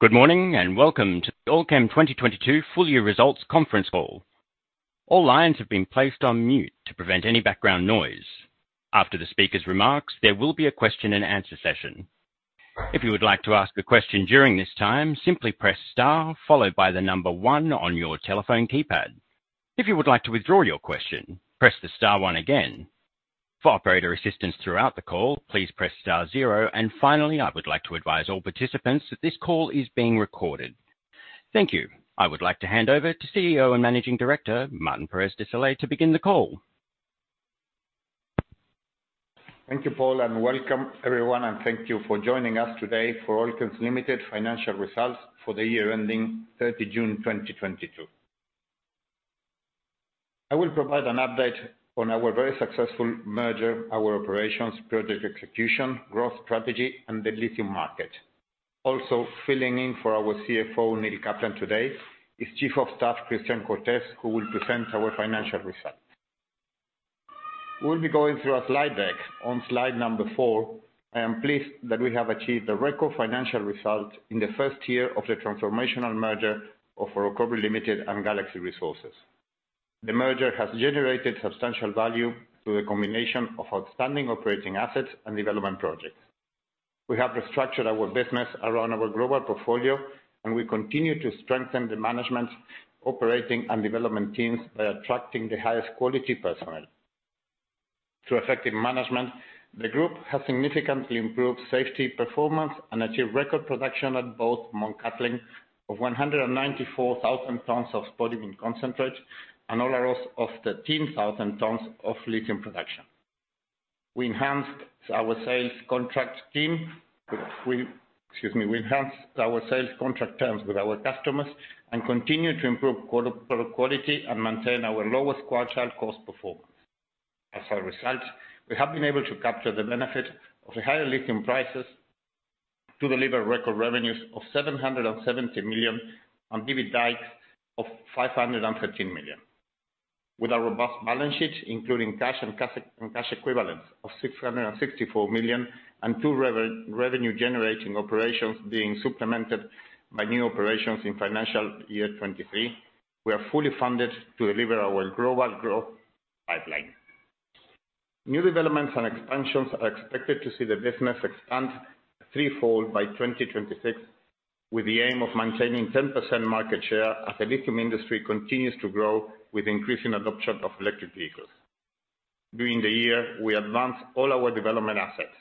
Good morning, and welcome to the Allkem 2022 Full Year Results Conference Call. All lines have been placed on mute to prevent any background noise. After the speaker's remarks, there will be a question and answer session. If you would like to ask a question during this time, simply press star followed by the number one on your telephone keypad. If you would like to withdraw your question, press the star one again. For operator assistance throughout the call, please press star zero. Finally, I would like to advise all participants that this call is being recorded. Thank you. I would like to hand over to CEO and Managing Director, Martín Pérez de Solay, to begin the call. Thank you, Paul, and welcome everyone, and thank you for joining us today for Allkem Limited financial results for the year ending 30 June 2022. I will provide an update on our very successful merger, our operations, project execution, growth strategy, and the lithium market. Also filling in for our CFO, Neil Kaplan today, is Chief of Staff, Christian Cortes, who will present our financial results. We'll be going through a slide deck. On slide number four, I am pleased that we have achieved the record financial result in the first year of the transformational merger of Orocobre Limited and Galaxy Resources. The merger has generated substantial value through a combination of outstanding operating assets and development projects. We have restructured our business around our global portfolio, and we continue to strengthen the management, operating and development teams by attracting the highest quality personnel. Through effective management, the group has significantly improved safety performance and achieved record production at both Mt Cattlin of 194,000 tons of spodumene concentrate and Olaroz of 13,000 tons of lithium production. We enhanced our sales contract terms with our customers and continued to improve product quality and maintain our lowest-quartile cost performance. As a result, we have been able to capture the benefit of the higher lithium prices to deliver record revenues of 770 million and EBITDA of 513 million. With our robust balance sheet, including cash and cash equivalents of 664 million and two revenue-generating operations being supplemented by new operations in financial year 2023, we are fully funded to deliver our global growth pipeline. New developments and expansions are expected to see the business expand threefold by 2026, with the aim of maintaining 10% market share as the lithium industry continues to grow with increasing adoption of electric vehicles. During the year, we advanced all our development assets.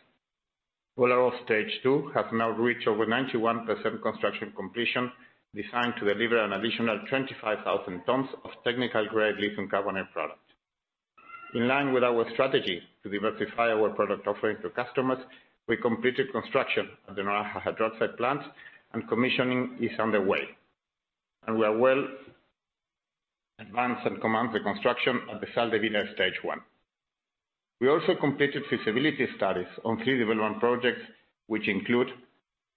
Olaroz Stage 2 has now reached over 91% construction completion, designed to deliver an additional 25,000 tons of technical grade lithium carbonate product. In line with our strategy to diversify our product offering to customers, we completed construction of the Naraha hydroxide plant and commissioning is underway. We are well advanced and commenced the construction at the Sal de Vida Stage 1. We also completed feasibility studies on three development projects, which include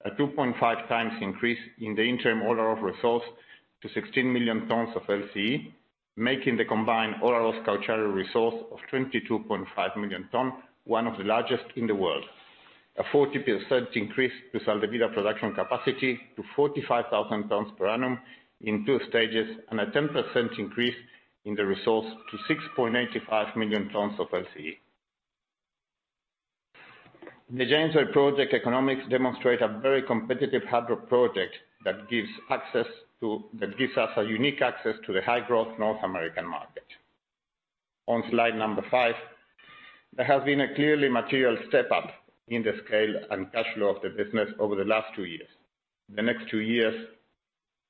a 2.5x increase in the interim Olaroz resource to 16 million tons of LCE, making the combined Olaroz-Cauchari resource of 22.5 million tons, one of the largest in the world. A 40% increase to Sal de Vida production capacity to 45,000 tons per annum in two stages and a 10% increase in the resource to 6.85 million tons of LCE. The James Bay project economics demonstrate a very competitive hydroxide project that gives us a unique access to the high-growth North American market. On slide number five, there has been a clearly material step up in the scale and cash flow of the business over the last two years. The next two years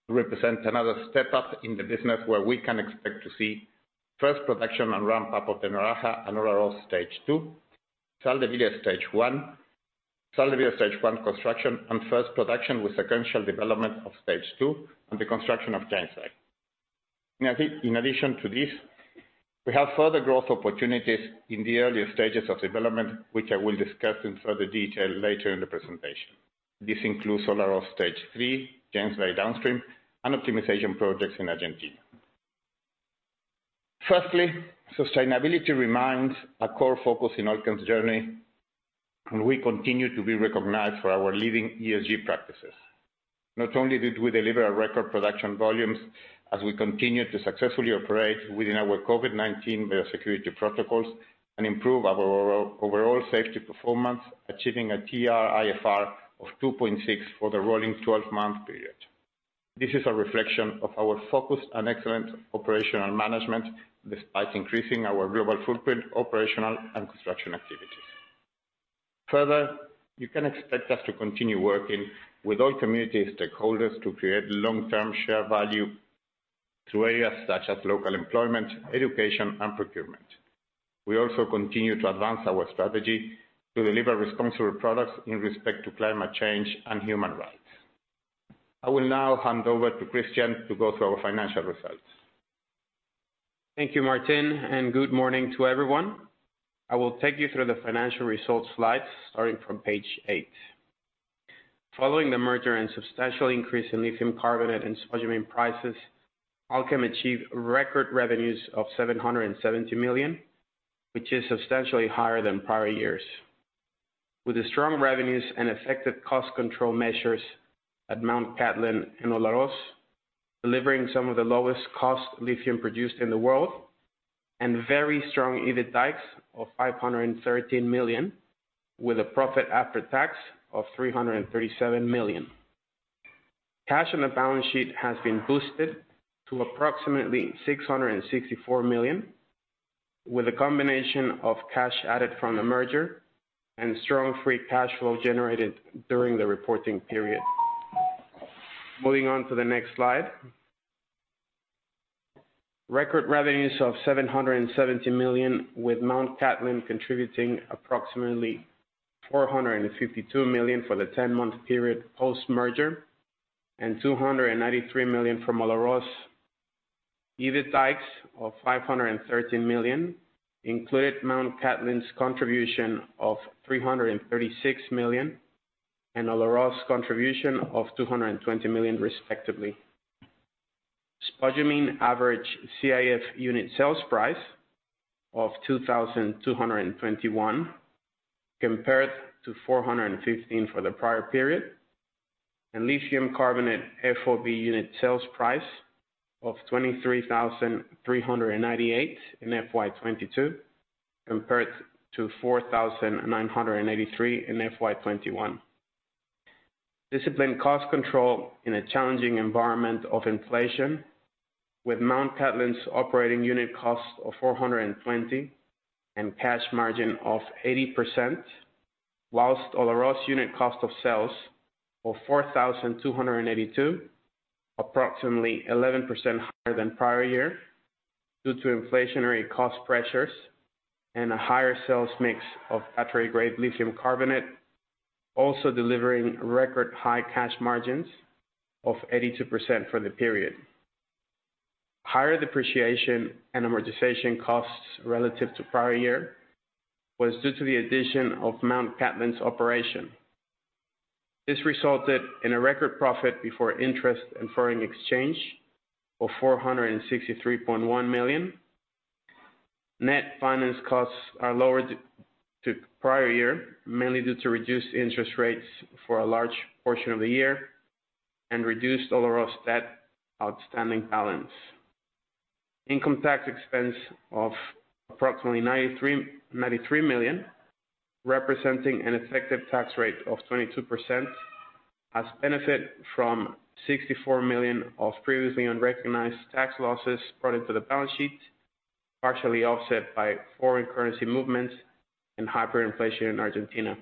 represent another step up in the business where we can expect to see first production and ramp up of the Naraha and Olaroz Stage 2, Sal de Vida Stage 1, Sal de Vida Stage 1 construction and first production with sequential development of Stage 2 and the construction of James Bay. In addition to this, we have further growth opportunities in the earlier stages of development, which I will discuss in further detail later in the presentation. This includes Olaroz Stage 3, James Bay Downstream, and optimization projects in Argentina. Firstly, sustainability remains a core focus in Allkem's journey, and we continue to be recognized for our leading ESG practices. Not only did we deliver a record production volumes as we continued to successfully operate within our COVID-19 biosecurity protocols and improve our overall safety performance, achieving a TRIFR of 2.6 for the rolling 12-month period. This is a reflection of our focus on excellent operational management, despite increasing our global footprint, operational and construction activities. Further, you can expect us to continue working with all community stakeholders to create long-term share value through areas such as local employment, education and procurement. We also continue to advance our strategy to deliver responsible products in respect to climate change and human rights. I will now hand over to Christian to go through our financial results. Thank you, Martín, and good morning to everyone. I will take you through the financial results slides starting from page eight. Following the merger and substantial increase in lithium carbonate and spodumene prices, Allkem achieved record revenues of 770 million. Which is substantially higher than prior years. With the strong revenues and effective cost control measures at Mt Cattlin and Olaroz, delivering some of the lowest cost lithium produced in the world and very strong EBITDA of 513 million, with a profit after tax of 337 million. Cash on the balance sheet has been boosted to approximately 664 million, with a combination of cash added from the merger and strong free cash flow generated during the reporting period. Moving on to the next slide. Record revenues of 770 million, with Mt Cattlin contributing approximately 452 million for the 10-month period post-merger, and 293 million from Olaroz. EBITDA of 513 million included Mt Cattlin's contribution of 336 million and Olaroz's contribution of 220 million respectively. Spodumene average CIF unit sales price of $2,221, compared to $415 for the prior period, and lithium carbonate FOB unit sales price of $23,398 in FY 2022, compared to $4,983 in FY 2021. Disciplined cost control in a challenging environment of inflation, with Mt Cattlin's operating unit cost of $420 and cash margin of 80%, whilst Olaroz's unit cost of sales of $4,282, approximately 11% higher than prior year, due to inflationary cost pressures and a higher sales mix of battery-grade lithium carbonate, also delivering record high cash margins of 82% for the period. Higher depreciation and amortization costs relative to prior year was due to the addition of Mt. Cattlin's operation. This resulted in a record profit before interest and foreign exchange of 463.1 million. Net finance costs are lower to prior year, mainly due to reduced interest rates for a large portion of the year and reduced Olaroz debt outstanding balance. Income tax expense of approximately 93 million, representing an effective tax rate of 22%, has benefit from 64 million of previously unrecognized tax losses brought into the balance sheet, partially offset by foreign currency movements and hyperinflation in Argentina.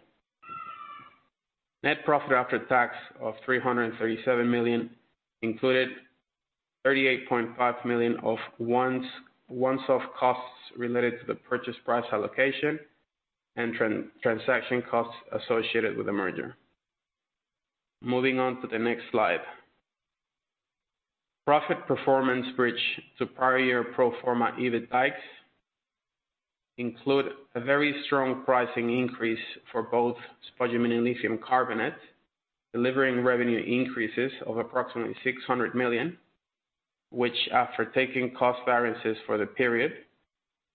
Net profit after tax of 337 million included 38.5 million of once-off costs related to the purchase price allocation and transaction costs associated with the merger. Moving on to the next slide. Profit performance bridge to prior year pro forma EBITDA include a very strong pricing increase for both spodumene and lithium carbonate, delivering revenue increases of approximately 600 million, which, after taking cost variances for the period,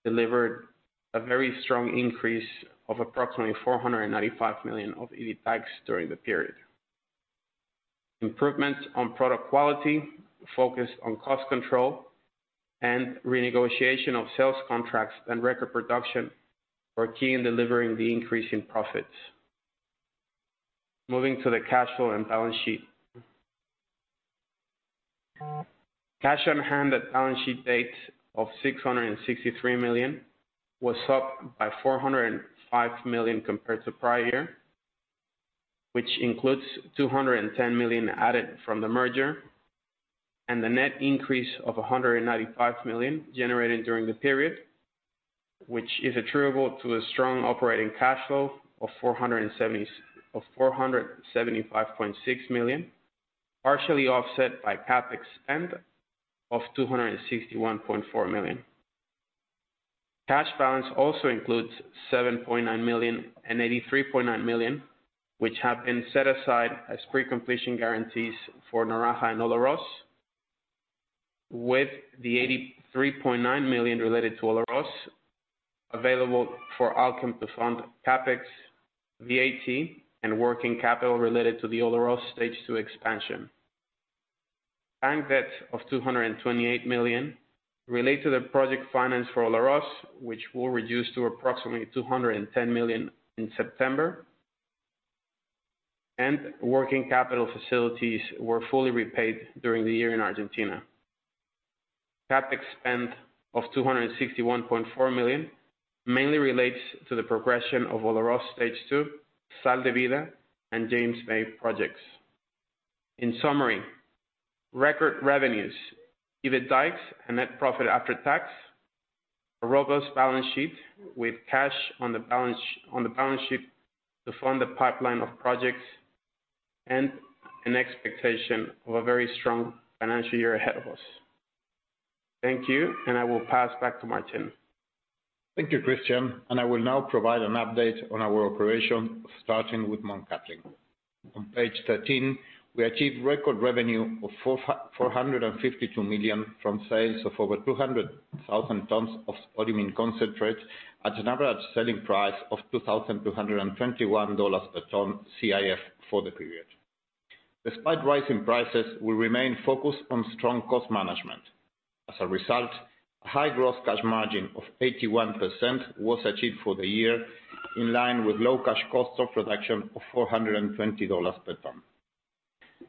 delivered a very strong increase of approximately 495 million of EBITDA during the period. Improvements on product quality, focus on cost control, and renegotiation of sales contracts and record production were key in delivering the increase in profits. Moving to the cash flow and balance sheet. Cash on hand at balance sheet date of 663 million was up by 405 million compared to prior year, which includes 210 million added from the merger and the net increase of 195 million generated during the period, which is attributable to a strong operating cash flow of 475.6 million, partially offset by CapEx spend of 261.4 million. Cash balance also includes 7.9 million and 83.9 million, which have been set aside as pre-completion guarantees for Naraha and Olaroz, with the 83.9 million related to Olaroz available for Allkem to fund CapEx, VAT, and working capital related to the Olaroz Stage 2 expansion. Bank debt of 228 million relates to the project finance for Olaroz, which will reduce to approximately 210 million in September. Working capital facilities were fully repaid during the year in Argentina. CapEx spend of 261.4 million mainly relates to the progression of Olaroz Stage 2, Sal de Vida, and James Bay projects. In summary, record revenues, EBITDA, and net profit after tax, a robust balance sheet with cash on the balance sheet to fund the pipeline of projects, and an expectation of a very strong financial year ahead of us. Thank you, and I will pass back to Martín. Thank you, Christian, and I will now provide an update on our operation, starting with Mt. Cattlin. On page 13, we achieved record revenue of 452 million from sales of over 200,000 tons of spodumene concentrate at an average selling price of $2,221 per ton CIF for the period. Despite rising prices, we remain focused on strong cost management. As a result, high gross cash margin of 81% was achieved for the year, in line with low cash cost of production of $420 per ton.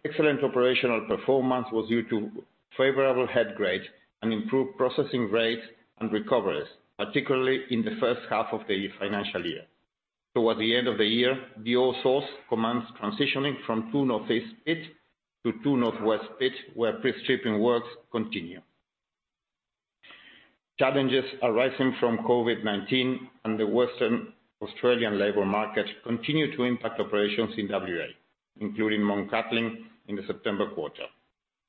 Excellent operational performance was due to favorable head grade and improved processing rates and recoveries, particularly in the first half of the financial year. Toward the end of the year, the operations commenced transitioning from the Northeast pit to the Northwest pit, where pre-stripping works continue. Challenges arising from COVID-19 and the Western Australian labor market continue to impact operations in WA, including Mt Cattlin in the September quarter.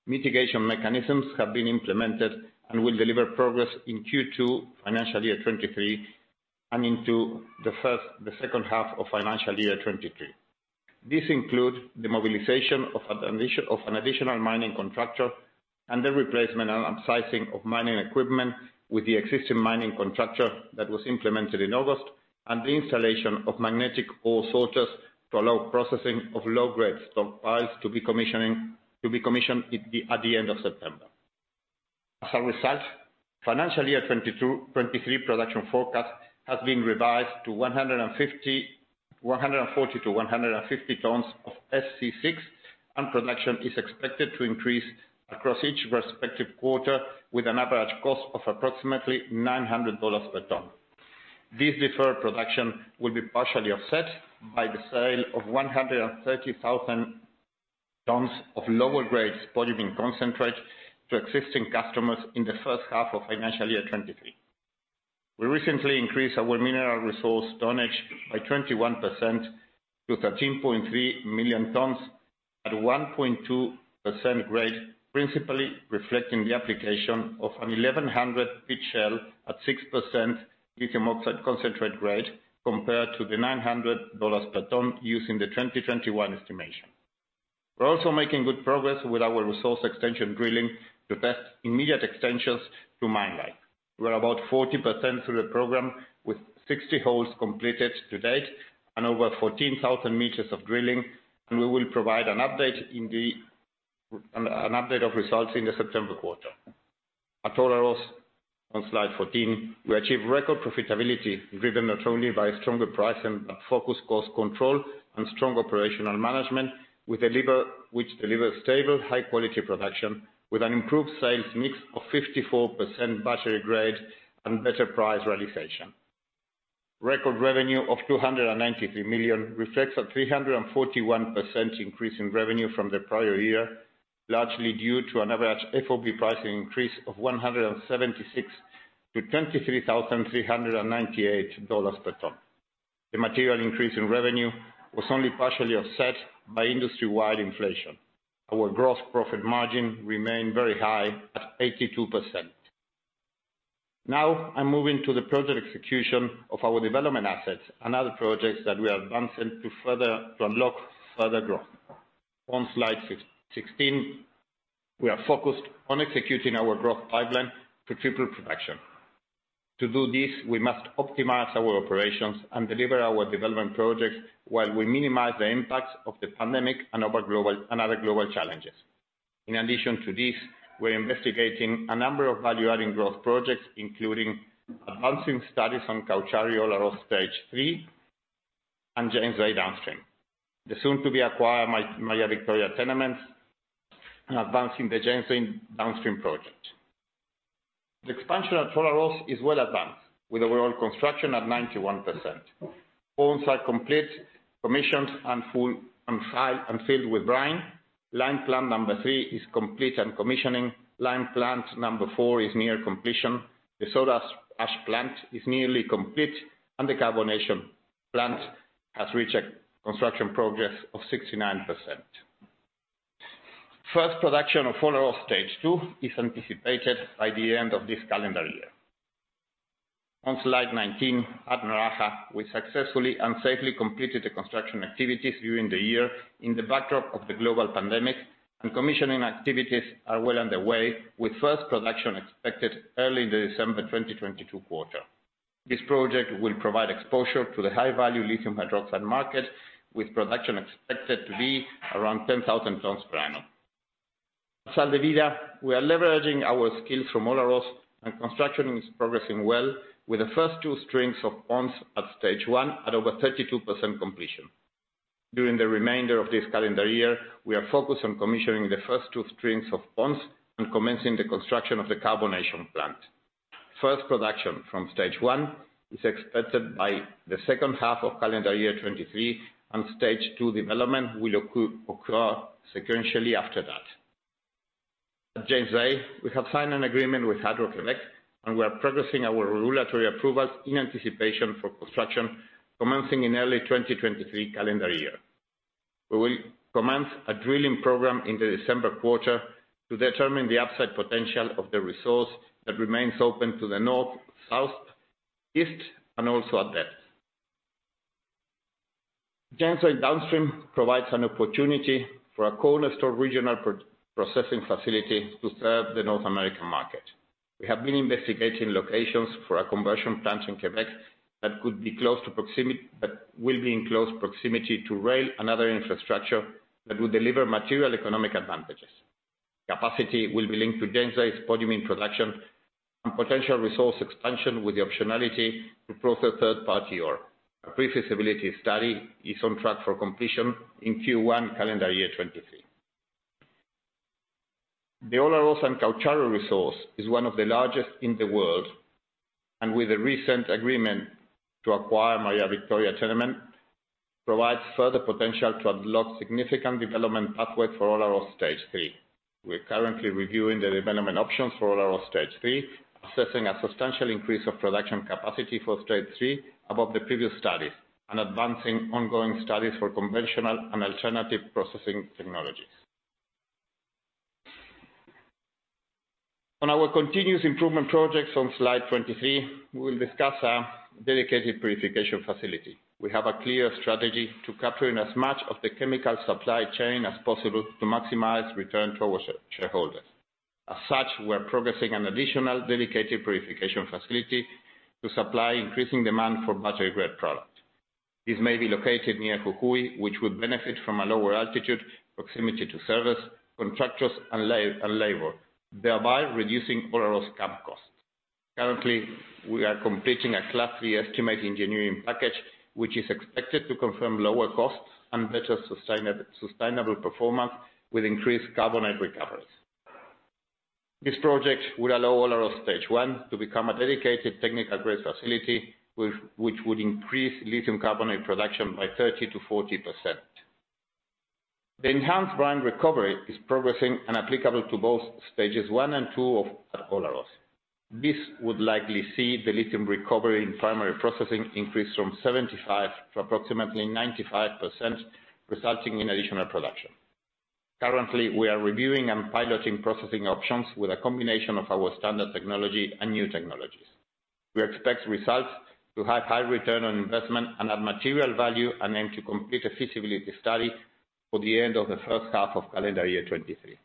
Mitigation mechanisms have been implemented and will deliver progress in Q2 financial year 2023 and into the second half of financial year 2023. These include the mobilization of an additional mining contractor and the replacement and upsizing of mining equipment with the existing mining contractor that was implemented in August, and the installation of magnetic ore sorters to allow processing of low-grade stockpiles to be commissioned at the end of September. As a result, financial year 2022-2023 production forecast has been revised to 140-150 tons of SC6, and production is expected to increase across each respective quarter with an average cost of approximately $900 per ton. This deferred production will be partially offset by the sale of 130,000 tons of lower grade spodumene concentrate to existing customers in the first half of financial year 2023. We recently increased our mineral resource tonnage by 21% to 13.3 million tons at 1.2% grade, principally reflecting the application of a 1,100 pit shell at 6% lithium oxide concentrate grade compared to the $900 per ton using the 2021 estimation. We're also making good progress with our resource extension drilling to test immediate extensions to mine life. We're about 40% through the program with 60 holes completed to date and over 14,000 meters of drilling, and we will provide an update of results in the September quarter. At Olaroz, on slide 14, we achieved record profitability driven not only by stronger pricing, but focused cost control and strong operational management, which delivers stable, high quality production with an improved sales mix of 54% battery grade and better price realization. Record revenue of 293 million reflects a 341% increase in revenue from the prior year, largely due to an average FOB pricing increase of $176-$23,398 per ton. The material increase in revenue was only partially offset by industry-wide inflation. Our gross profit margin remained very high at 82%. Now I'm moving to the project execution of our development assets and other projects that we are advancing to unlock further growth. On slide 16, we are focused on executing our growth pipeline to triple production. To do this, we must optimize our operations and deliver our development projects while we minimize the impacts of the pandemic and other global challenges. In addition to this, we're investigating a number of value-adding growth projects, including advancing studies on Cauchari-Olaroz Stage 3 and James Bay Downstream. The soon to be acquired Maria Victoria Tenements and advancing the James Bay Downstream project. The expansion at Olaroz is well advanced, with overall construction at 91%. Ponds are complete, permitting is full and final and filled with brine. Lime plant number 3 is complete and commissioning. Lime plant number 4 is near completion. The soda ash plant is nearly complete, and the carbonation plant has reached construction progress of 69%. First production of Olaroz Stage 2 is anticipated by the end of this calendar year. On slide 19, at Naraha, we successfully and safely completed the construction activities during the year in the backdrop of the global pandemic, and commissioning activities are well underway, with first production expected early in the December 2022 quarter. This project will provide exposure to the high-value lithium hydroxide market, with production expected to be around 10,000 tons per annum. Sal de Vida, we are leveraging our skills from Olaroz and construction is progressing well, with the first two strings of ponds at Stage 1 at over 32% completion. During the remainder of this calendar year, we are focused on commissioning the first two strings of ponds and commencing the construction of the carbonation plant. First production from Stage 1 is expected by the second half of calendar year 2023, and Stage 2 development will occur sequentially after that. At James Bay, we have signed an agreement with Hydro-Québec, and we are progressing our regulatory approvals in anticipation for construction commencing in early 2023 calendar year. We will commence a drilling program in the December quarter to determine the upside potential of the resource that remains open to the north, south, east and also at depth. James Bay Downstream provides an opportunity for a cornerstone regional processing facility to serve the North American market. We have been investigating locations for a conversion plant in Quebec that will be in close proximity to rail and other infrastructure that will deliver material economic advantages. Capacity will be linked to James Bay's spodumene production and potential resource expansion with the optionality to process third-party ore. A pre-feasibility study is on track for completion in Q1 calendar year 2023. The Olaroz and Cauchari resource is one of the largest in the world, and with a recent agreement to acquire Maria Victoria Tenements, provides further potential to unlock significant development pathways for Olaroz Stage 3. We're currently reviewing the development options for Olaroz Stage 3, assessing a substantial increase of production capacity for Stage 3 above the previous studies, and advancing ongoing studies for conventional and alternative processing technologies. On our continuous improvement projects on slide 23, we will discuss our dedicated purification facility. We have a clear strategy to capture in as much of the chemical supply chain as possible to maximize return for our shareholders. As such, we're progressing an additional dedicated purification facility to supply increasing demand for battery grade product. This may be located near Jujuy, which would benefit from a lower altitude, proximity to services, contractors and land and labor, thereby reducing Olaroz CapEx costs. Currently, we are completing a Class 3 estimate engineering package, which is expected to confirm lower costs and better sustainable performance with increased carbonate recoveries. This project would allow Olaroz Stage 1 to become a dedicated technical grade facility with which would increase lithium carbonate production by 30%-40%. The enhanced brine recovery is progressing and applicable to both Stages 1 and 2 of Olaroz. This would likely see the lithium recovery in primary processing increase from 75% to approximately 95%, resulting in additional production. Currently, we are reviewing and piloting processing options with a combination of our standard technology and new technologies. We expect results to have high return on investment and add material value and aim to complete a feasibility study for the end of the first half of calendar year 2023.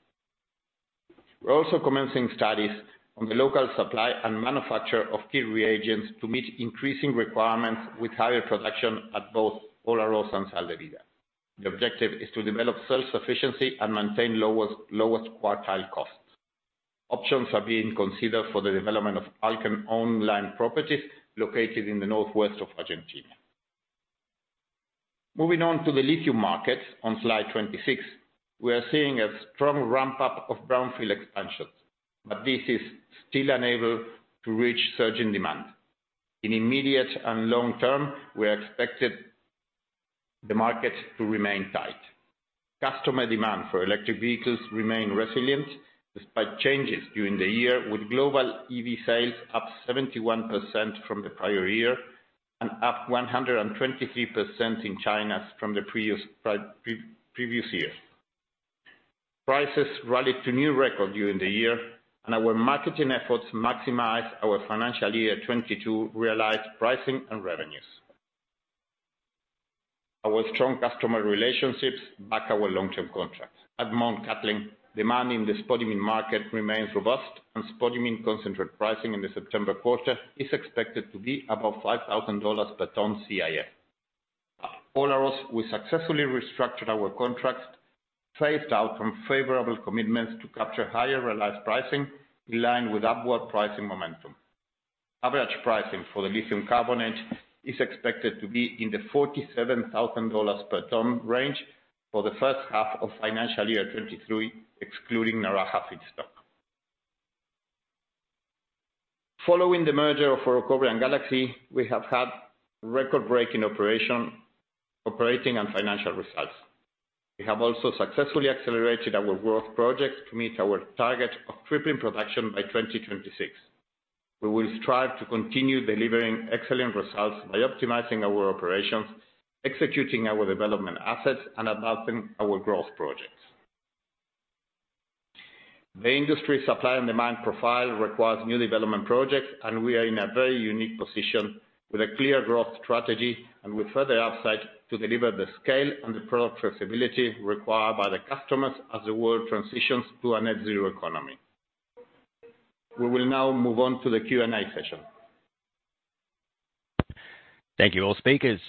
We're also commencing studies on the local supply and manufacture of key reagents to meet increasing requirements with higher production at both Olaroz and Sal de Vida. The objective is to develop self-sufficiency and maintain lowest quartile costs. Options are being considered for the development of Allkem-owned land properties located in the northwest of Argentina. Moving on to the lithium market on slide 26, we are seeing a strong ramp-up of brownfield expansions, but this is still unable to reach surging demand. In immediate and long term, we expected the market to remain tight. Customer demand for electric vehicles remain resilient despite changes during the year, with global EV sales up 71% from the prior year and up 123% in China from the previous year. Prices rallied to new record during the year, and our marketing efforts maximized our financial year 2022 realized pricing and revenues. Our strong customer relationships back our long-term contracts. At Mt Cattlin, demand in the spodumene market remains robust and spodumene concentrate pricing in the September quarter is expected to be above $5,000 per ton CIF. At Olaroz, we successfully restructured our contracts, phased out from favorable commitments to capture higher realized pricing in line with upward pricing momentum. Average pricing for the lithium carbonate is expected to be in the $47,000 per ton range for the first half of financial year 2023, excluding Naraha feedstock. Following the merger of Orocobre and Galaxy, we have had record-breaking operational, operating and financial results. We have also successfully accelerated our growth projects to meet our target of tripling production by 2026. We will strive to continue delivering excellent results by optimizing our operations, executing our development assets, and advancing our growth projects. The industry supply and demand profile requires new development projects, and we are in a very unique position with a clear growth strategy and with further upside to deliver the scale and the product flexibility required by the customers as the world transitions to a net zero economy. We will now move on to the Q&A session. Thank you, all speakers.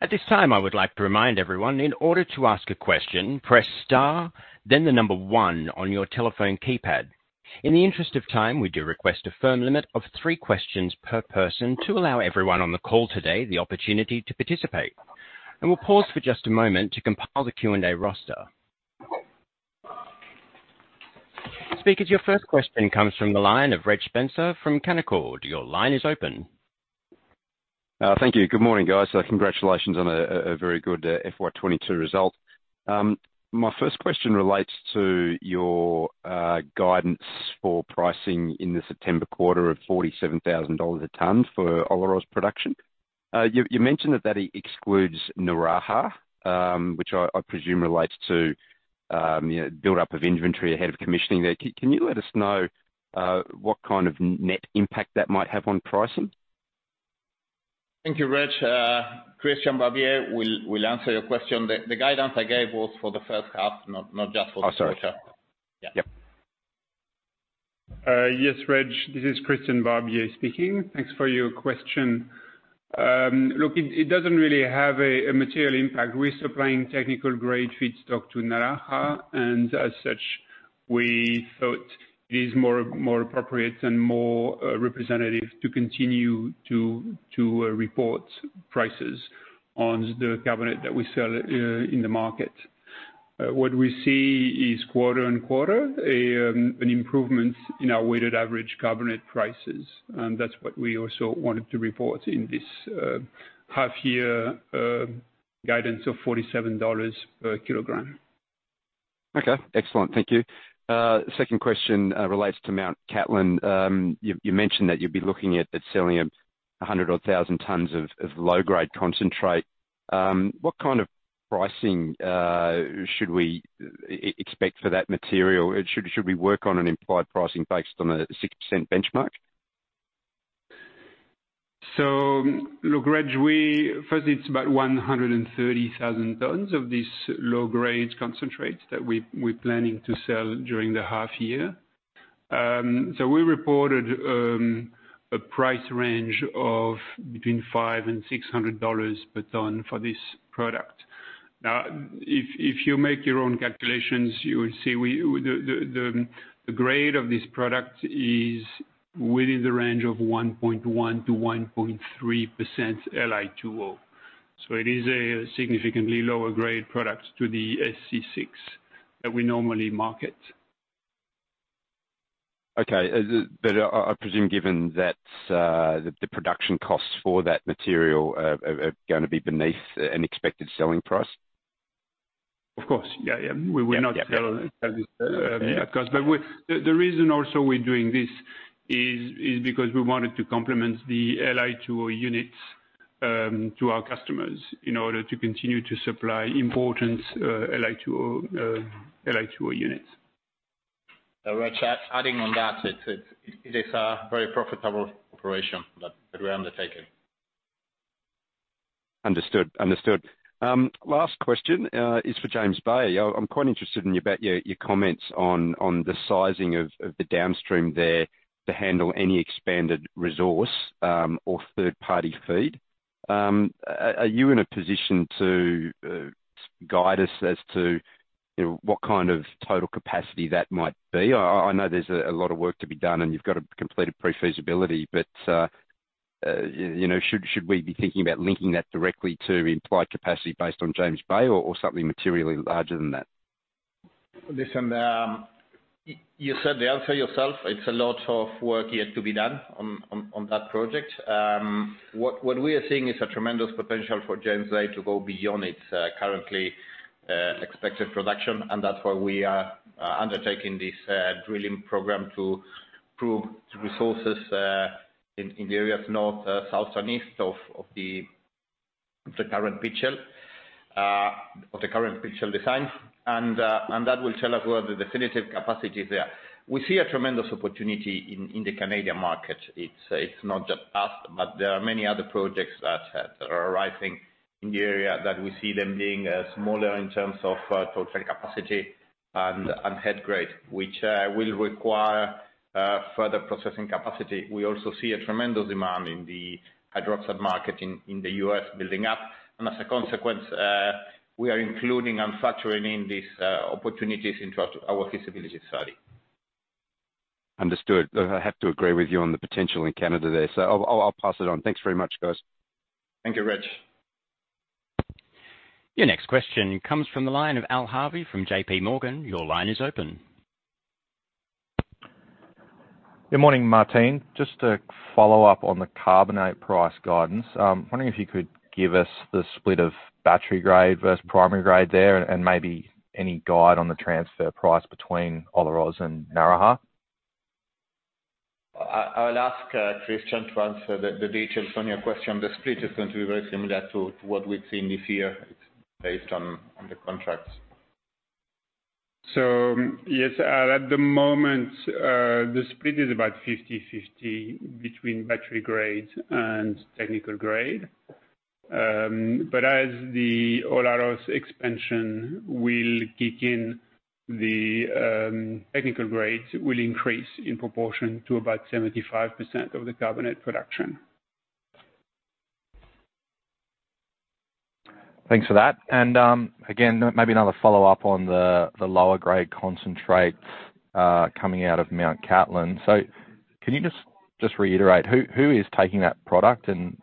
At this time, I would like to remind everyone in order to ask a question, press star then the number one on your telephone keypad. In the interest of time, we do request a firm limit of three questions per person to allow everyone on the call today the opportunity to participate. We'll pause for just a moment to compile the Q&A roster. Speakers, your first question comes from the line of Reg Spencer from Canaccord Genuity. Your line is open. Thank you. Good morning, guys. Congratulations on a very good FY 2022 result. My first question relates to your guidance for pricing in the September quarter of $47,000 a ton for Olaroz production. You mentioned that it excludes Naraha, which I presume relates to, you know, buildup of inventory ahead of commissioning there. Can you let us know what kind of net impact that might have on pricing? Thank you, Reg. Christian Barbier will answer your question. The guidance I gave was for the first half, not just for the second half. Oh, sorry. Yeah. Yep. Yes, Reg, this is Christian Barbier speaking. Thanks for your question. Look, it doesn't really have a material impact. We're supplying technical grade feedstock to Naraha, and as such, we thought it is more appropriate and more representative to continue to report prices on the carbonate that we sell in the market. What we see is quarter-on-quarter, an improvement in our weighted average carbonate prices. That's what we also wanted to report in this half year guidance of $47 per kilogram. Okay, excellent. Thank you. Second question relates to Mt Cattlin. You mentioned that you'd be looking at selling a hundred odd thousand tons of low-grade concentrate. What kind of pricing should we expect for that material? Should we work on an implied pricing based on a 6% benchmark? Look, Reg, first, it's about 130,000 tons of this low-grade concentrate that we're planning to sell during the half year. We reported a price range of between $500-$600 per ton for this product. Now, if you make your own calculations, you will see the grade of this product is within the range of 1.1%-1.3% LI2O. It is a significantly lower grade product to the SC6 that we normally market. Okay. I presume given that, the production costs for that material are gonna be beneath an expected selling price. Of course. Yeah, yeah. We will not sell. The reason also we're doing this is because we wanted to complement the LI2O units to our customers in order to continue to supply important LI2O units. Reg, adding on that, it is a very profitable operation that we're undertaking. Understood. Last question is for James Bay. I'm quite interested in your comments on the sizing of the downstream there to handle any expanded resource or third-party feed. Are you in a position to guide us as to what kind of total capacity that might be? I know there's a lot of work to be done, and you've got a completed pre-feasibility, but you know, should we be thinking about linking that directly to implied capacity based on James Bay or something materially larger than that? Listen, you said the answer yourself. It's a lot of work yet to be done on that project. What we are seeing is a tremendous potential for James Bay to go beyond its currently expected production, and that's why we are undertaking this drilling program to prove the resources in the areas north, south, and east of the current pit shell of the current pit shell design. That will tell us what the definitive capacity is there. We see a tremendous opportunity in the Canadian market. It's not just us, but there are many other projects that are arising in the area that we see them being smaller in terms of total capacity and head grade, which will require further processing capacity. We also see a tremendous demand in the hydroxide market in the U.S. building up. As a consequence, we are including and factoring in these opportunities into our feasibility study. Understood. I have to agree with you on the potential in Canada there, so I'll pass it on. Thanks very much, guys. Thank you, Reg. Your next question comes from the line of Al Harvey from J.P. Morgan. Your line is open. Good morning, Martín. Just to follow up on the carbonate price guidance, wondering if you could give us the split of battery grade versus primary grade there, and maybe any guide on the transfer price between Olaroz and Naraha. I'll ask Christian to answer the details on your question. The split is going to be very similar to what we've seen this year based on the contracts. Yes, Al, at the moment, the split is about 50/50 between battery grade and technical grade. As the Olaroz expansion will kick in, the technical grade will increase in proportion to about 75% of the carbonate production. Thanks for that. Again, maybe another follow-up on the lower grade concentrate coming out of Mt Cattlin. Can you just reiterate who is taking that product and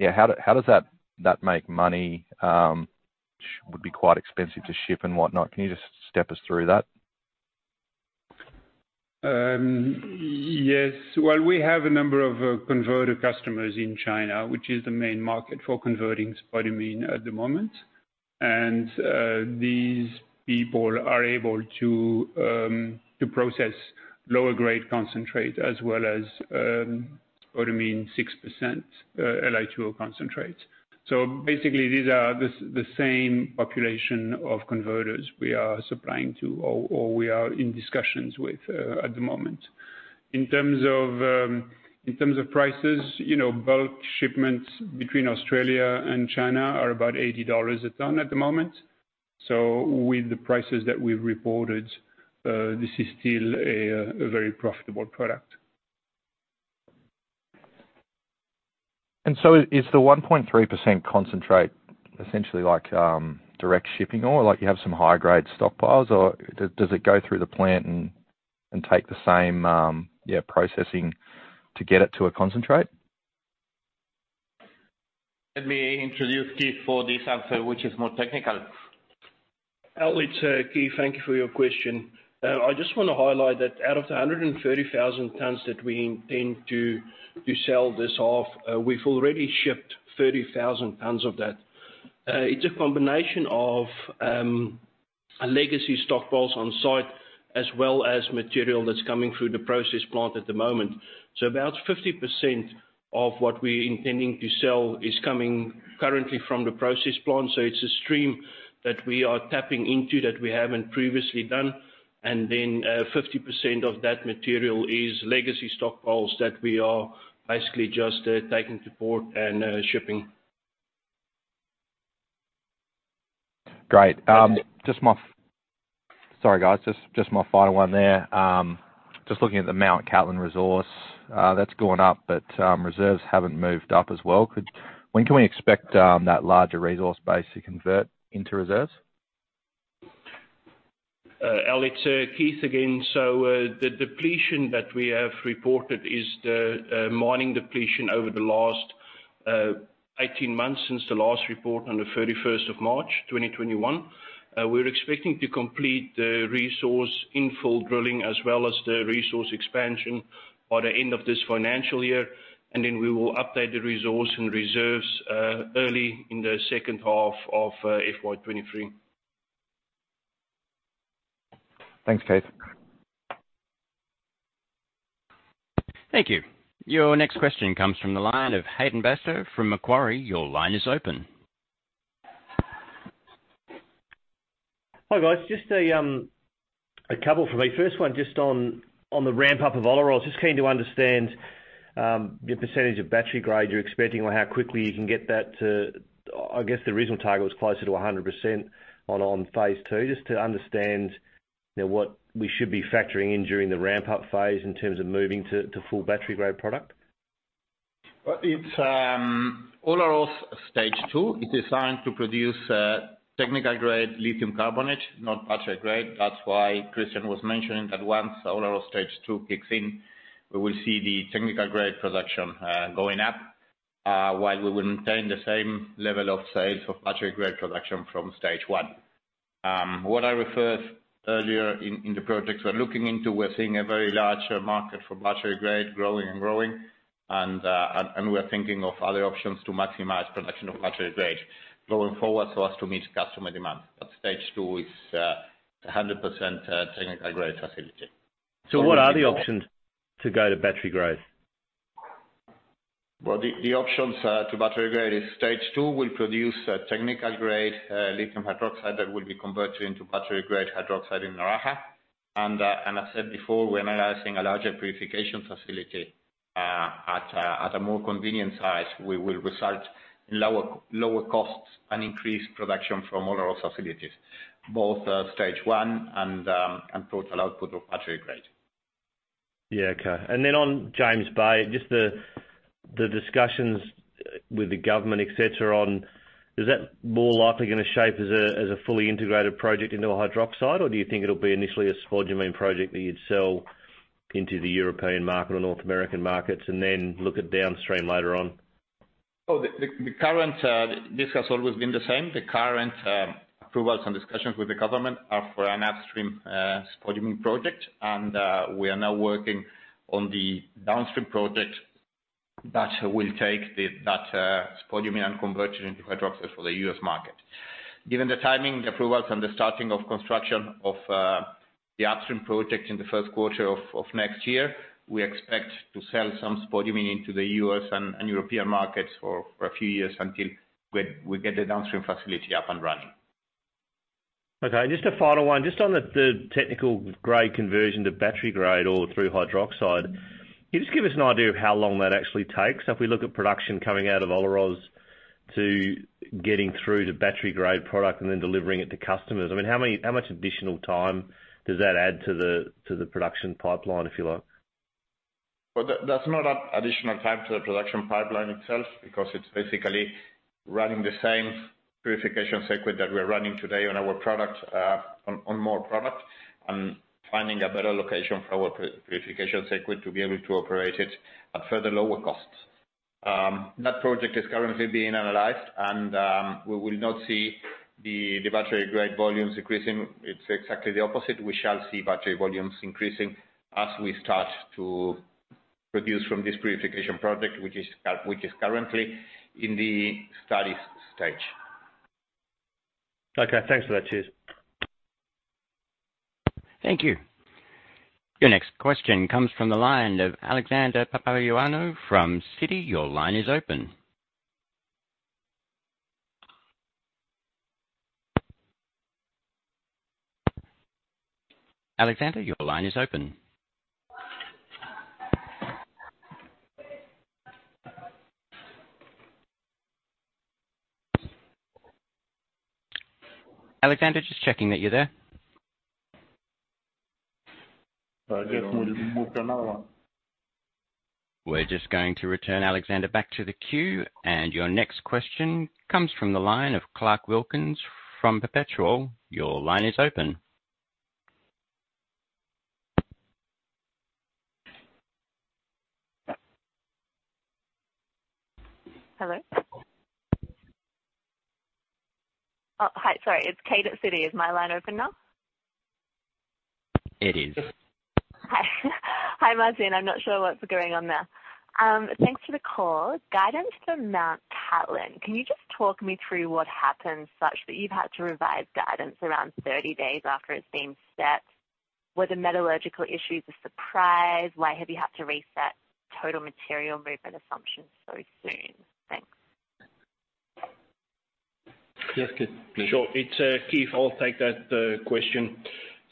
yeah, how does that make money? Would be quite expensive to ship and whatnot. Can you just step us through that? Yes. Well, we have a number of converter customers in China, which is the main market for converting spodumene at the moment. These people are able to process lower grade concentrate as well as what I mean 6% LI2O concentrate. Basically, these are the same population of converters we are supplying to or we are in discussions with at the moment. In terms of prices, you know, bulk shipments between Australia and China are about $80 a ton at the moment. With the prices that we've reported, this is still a very profitable product. Is the 1.3% concentrate essentially like direct shipping or like you have some high-grade stockpiles, or does it go through the plant and take the same yeah processing to get it to a concentrate? Let me introduce Keith for this answer, which is more technical. Al, it's Keith, thank you for your question. I just wanna highlight that out of the 130,000 tons that we intend to sell this half, we've already shipped 30,000 tons of that. It's a combination of legacy stockpiles on site as well as material that's coming through the process plant at the moment. About 50% of what we're intending to sell is coming currently from the process plant, so it's a stream that we are tapping into that we haven't previously done. Then, 50% of that material is legacy stockpiles that we are basically just taking to port and shipping. Great. Sorry, guys. Just my final one there. Just looking at the Mt Cattlin resource, that's gone up, but reserves haven't moved up as well. When can we expect that larger resource base to convert into reserves? Alex, Keith again. The depletion that we have reported is the mining depletion over the last 18 months since the last report on the 31st of March, 2021. We're expecting to complete the resource infill drilling, as well as the resource expansion by the end of this financial year, and then we will update the resource and reserves early in the second half of FY 2023. Thanks, Keith. Thank you. Your next question comes from the line of Hayden Bairstow from Macquarie. Your line is open. Hi, guys. Just a couple for me. First one, just on the ramp up of Olaroz. Just keen to understand your percentage of battery grade you're expecting or how quickly you can get that to. I guess the original target was closer to 100% on Phase 2. Just to understand, you know, what we should be factoring in during the ramp up phase in terms of moving to full battery grade product. Well, it's Olaroz Stage 2 is designed to produce technical grade lithium carbonate, not battery grade. That's why Christian was mentioning that once Olaroz Stage 2 kicks in, we will see the technical grade production going up while we will maintain the same level of sales of battery grade production from Stage 1. What I referred earlier in the projects we're looking into, we're seeing a very large market for battery grade growing and we are thinking of other options to maximize production of battery grade going forward so as to meet customer demand. But Stage 2 is 100% technical grade facility. What are the options to go to battery grade? Well, the options to battery grade is Stage 2 will produce a technical grade lithium hydroxide that will be converted into battery grade hydroxide in Araxá. I said before, we're analyzing a larger purification facility at a more convenient size. We will result in lower costs and increase production from Olaroz facilities, both Stage 1 and total output of battery grade. Yeah. Okay. Then on James Bay, just the discussions with the government, et cetera. Is that more likely gonna shape as a fully integrated project into a hydroxide? Or do you think it'll be initially a spodumene project that you'd sell into the European market or North American markets and then look at downstream later on? This has always been the same. The current approvals and discussions with the government are for an upstream spodumene project. We are now working on the downstream project that will take the spodumene and convert it into hydroxide for the U.S. market. Given the timing, the approvals, and the starting of construction of the upstream project in the first quarter of next year, we expect to sell some spodumene into the U.S. and European markets for a few years until we get the downstream facility up and running. Okay, just a final one. Just on the technical grade conversion to battery grade or through hydroxide, can you just give us an idea of how long that actually takes? If we look at production coming out of Olaroz to getting through to battery grade product and then delivering it to customers, I mean, how much additional time does that add to the production pipeline, if you like? Well, that's not an additional time to the production pipeline itself because it's basically running the same purification circuit that we're running today on our product, on more product and finding a better location for our purification circuit to be able to operate it at further lower costs. That project is currently being analyzed, and we will not see the battery grade volumes increasing. It's exactly the opposite. We shall see battery volumes increasing as we start to Produce from this purification project, which is currently in the studies stage. Okay, thanks for that. Cheers. Thank you. Your next question comes from the line of Alexander Papageorgiou from Citi. Your line is open. Alexander, your line is open. Alexander, just checking that you're there. I guess we'll move to another one. We're just going to return Alexander back to the queue. Your next question comes from the line of Clarke Wilkins from Perpetual. Your line is open. Hello? Oh, hi. Sorry. It's Kate at Citi. Is my line open now? It is. Hi. Hi, Martín. I'm not sure what's going on there. Thanks for the call. Guidance for Mt. Cattlin. Can you just talk me through what happened such that you've had to revise guidance around 30 days after it's been set? Were the metallurgical issues a surprise? Why have you had to reset total material movement assumptions so soon? Thanks. Yes, Keith. Sure. It's Keith. I'll take that question.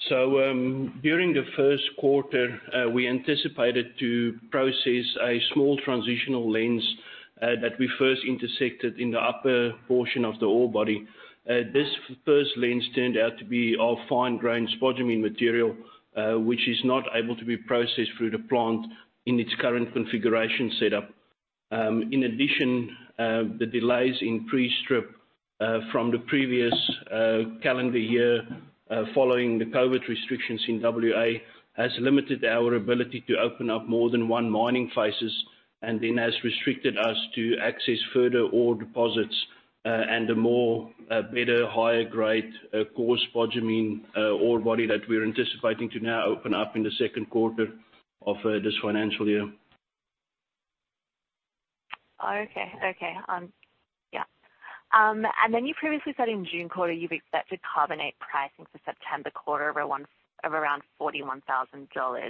During the first quarter, we anticipated to process a small transitional lens that we first intersected in the upper portion of the ore body. This first lens turned out to be a fine grain spodumene material, which is not able to be processed through the plant in its current configuration setup. In addition, the delays in pre-strip from the previous calendar year following the COVID restrictions in WA has limited our ability to open up more than one mining phases and then has restricted us to access further ore deposits and a better higher grade coarse spodumene ore body that we're anticipating to now open up in the second quarter of this financial year. You previously said in June quarter you've expected carbonate pricing for September quarter of around $41,000.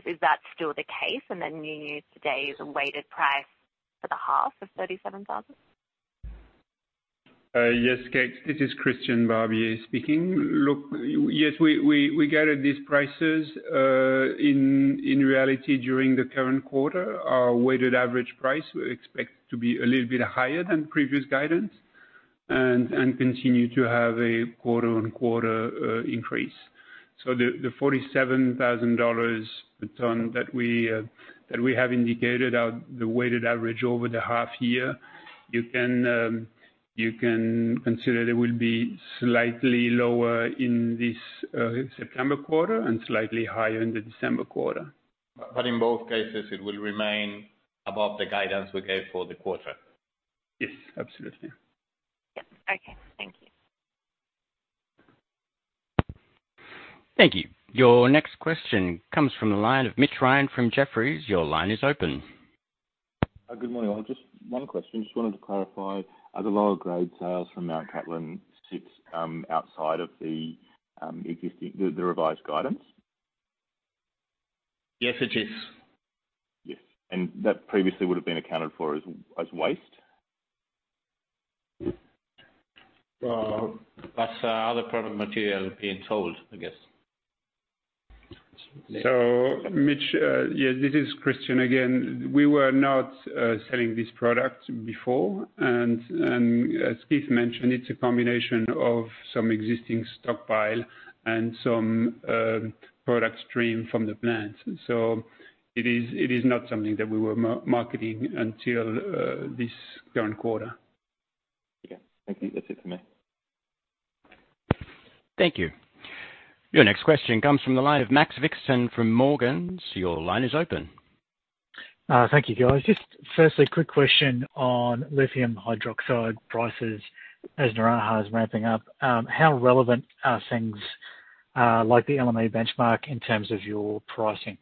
Is that still the case? You used today's weighted price for the half of $37,000. Yes, Kate. This is Christian Barbier speaking. Look, yes, we gathered these prices in reality during the current quarter. Our weighted average price, we expect to be a little bit higher than previous guidance and continue to have a quarter-on-quarter increase. The $47,000 per ton that we have indicated are the weighted average over the half year. You can consider it will be slightly lower in this September quarter and slightly higher in the December quarter. In both cases, it will remain above the guidance we gave for the quarter. Yes, absolutely. Yep. Okay. Thank you. Thank you. Your next question comes from the line of Mitch Ryan from Jefferies. Your line is open. Good morning. I've just one question. Just wanted to clarify, are the lower grade sales from Mt. Cattlin sits outside of the existing, the revised guidance? Yes, it is. Yes. That previously would have been accounted for as waste? Well, that's other product material being sold, I guess. Mitch, yeah, this is Christian again. We were not selling this product before. As Keith mentioned, it's a combination of some existing stockpile and some product stream from the plant. It is not something that we were marketing until this current quarter. Okay. Thank you. That's it for me. Thank you. Your next question comes from the line of Max Vickerson from Morgans. Your line is open. Thank you, guys. Just firstly, quick question on lithium hydroxide prices as Naraha is ramping up. How relevant are things like the LME benchmark in terms of your pricing?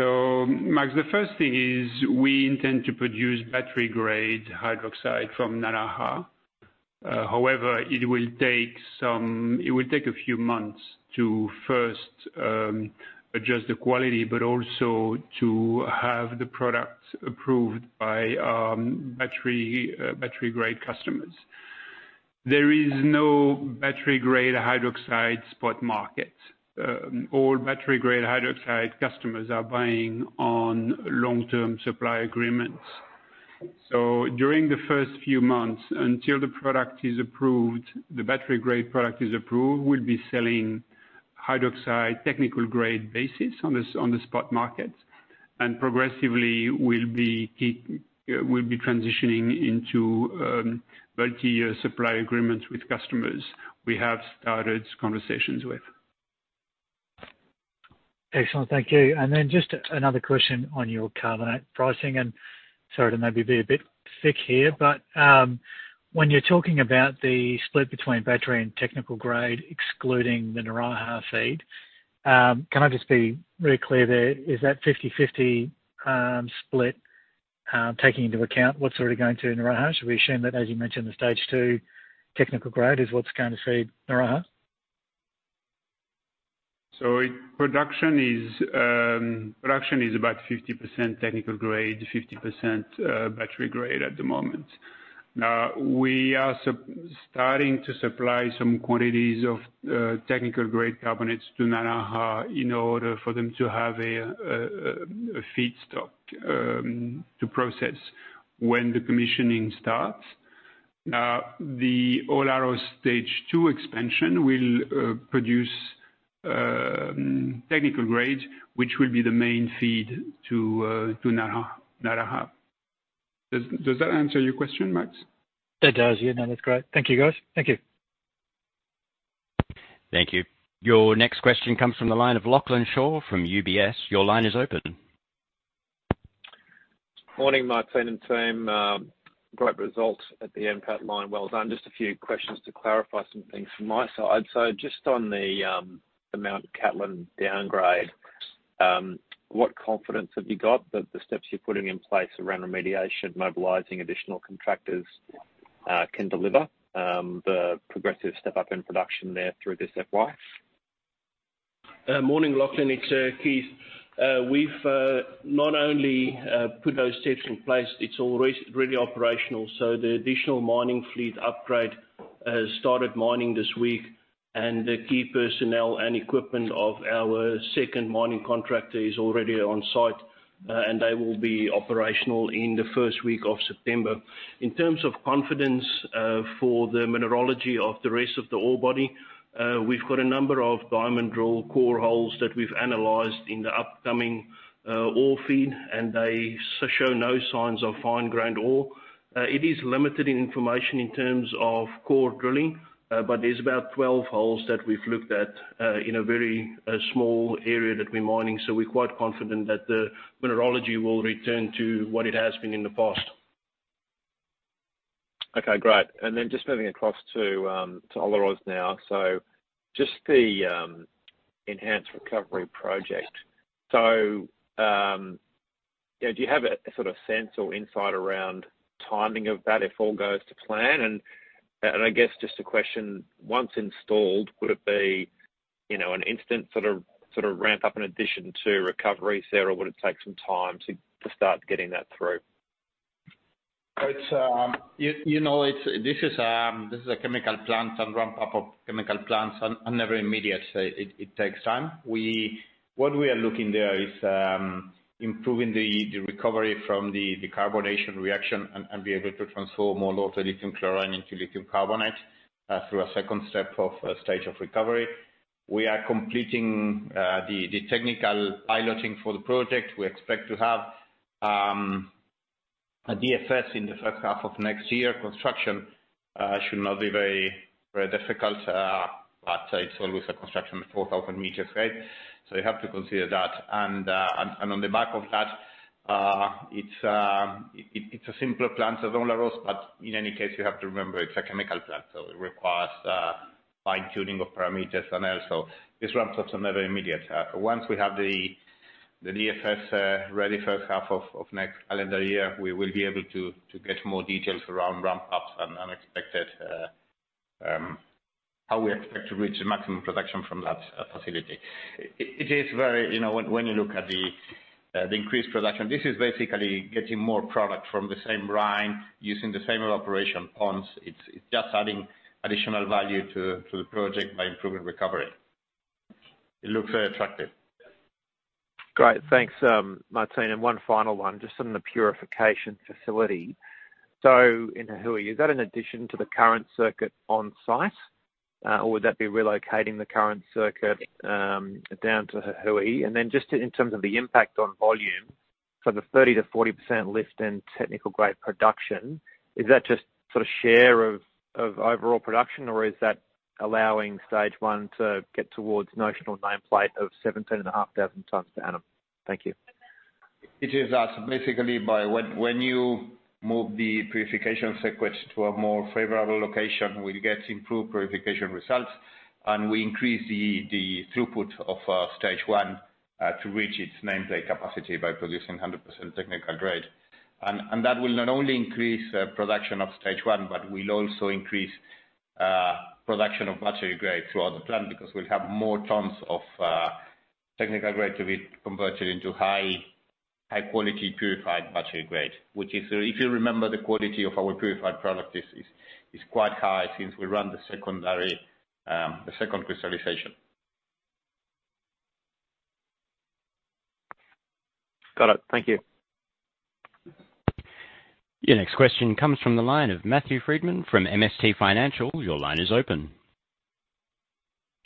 Max, the first thing is we intend to produce battery-grade hydroxide from Naraha. However, it will take a few months to first adjust the quality, but also to have the product approved by battery grade customers. There is no battery-grade hydroxide spot market. All battery-grade hydroxide customers are buying on long-term supply agreements. During the first few months, until the product is approved, the battery grade product is approved, we'll be selling hydroxide technical grade basis on the spot market. Progressively we'll be transitioning into multi-year supply agreements with customers we have started conversations with. Excellent. Thank you. Just another question on your carbonate pricing. Sorry to maybe be a bit thick here, but when you're talking about the split between battery and technical grade, excluding the Naraha feed, can I just be really clear there? Is that 50/50 split taking into account what's already going to Naraha? Should we assume that, as you mentioned, the Stage 2 technical grade is what's going to feed Naraha? Production is about 50% technical grade, 50% battery grade at the moment. Now, we are starting to supply some quantities of technical-grade carbonates to Naraha in order for them to have a feedstock to process when the commissioning starts. Now, the Olaroz Stage 2 expansion will produce technical grade, which will be the main feed to Naraha. Does that answer your question, Max? It does, yeah. No, that's great. Thank you, guys. Thank you. Thank you. Your next question comes from the line of Lachlan Shaw from UBS. Your line is open. Morning, Martín and team. Great results at the Mt Cattlin. Just a few questions to clarify some things from my side. Just on the Mt Cattlin downgrade, what confidence have you got that the steps you're putting in place around remediation, mobilizing additional contractors, can deliver the progressive step-up in production there through this FY? Morning, Lachlan. It's Keith. We've not only put those steps in place, it's already really operational. The additional mining fleet upgrade has started mining this week, and the key personnel and equipment of our second mining contractor is already on site, and they will be operational in the first week of September. In terms of confidence for the mineralogy of the rest of the ore body, we've got a number of diamond drill core holes that we've analyzed in the upcoming ore feed, and they show no signs of fine-grained ore. It is limited in information in terms of core drilling, but there's about 12 holes that we've looked at in a very small area that we're mining, so we're quite confident that the mineralogy will return to what it has been in the past. Okay, great. Just moving across to Olaroz now. Just the enhanced recovery project. You know, do you have a sort of sense or insight around timing of that if all goes to plan? I guess just a question, once installed, would it be, you know, an instant sort of ramp-up in addition to recovery there, or would it take some time to start getting that through? You know, this is a chemical plant and ramp up of chemical plants are never immediate. It takes time. What we are looking there is improving the recovery from the carbonation reaction and be able to transform more lithium chloride into lithium carbonate through a second step of stage of recovery. We are completing the technical piloting for the project. We expect to have a DFS in the first half of next year. Construction should not be very difficult, but it's always a construction, 4,000 meters, right? You have to consider that. On the back of that, it's a simpler plant as Olaroz, but in any case, you have to remember it's a chemical plant, so it requires fine-tuning of parameters and else. This ramp-up is never immediate. Once we have the DFS ready first half of next calendar year, we will be able to get more details around ramp-ups and expected how we expect to reach the maximum production from that facility. You know, when you look at the increased production, this is basically getting more product from the same brine using the same evaporation ponds. It's just adding additional value to the project by improving recovery. It looks very attractive. Great. Thanks, Martín. One final one, just on the purification facility. In Jujuy, is that an addition to the current circuit on site, or would that be relocating the current circuit down to Jujuy? Then just in terms of the impact on volume for the 30%-40% lift in technical grade production, is that just sort of share of overall production, or is that allowing Stage 1 to get towards notional nameplate of 17,500 tons per annum? Thank you. It is that. Basically by when you move the purification circuit to a more favorable location, we get improved purification results, and we increase the throughput of Stage 1 to reach its nameplate capacity by producing 100% technical grade. That will not only increase production of Stage 1, but will also increase production of battery grade throughout the plant because we'll have more tons of technical grade to be converted into high quality purified battery grade. Which is, if you remember the quality of our purified product, is quite high since we run the second crystallization. Got it. Thank you. Your next question comes from the line of Matthew Frydman from MST Financial. Your line is open.